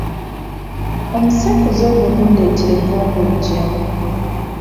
Omusekuzo ogwo gundeetereko ng’ojja.